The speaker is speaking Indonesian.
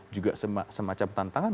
juga semacam tantangan